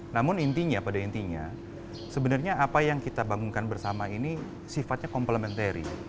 namun intinya pada intinya sebenarnya apa yang kita bangunkan bersama ini sifatnya komplementari